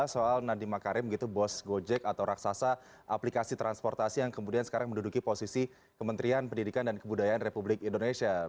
frameworknya yang harus dijalankan oleh pak nadiem